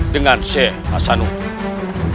dengan sheikh hasanudin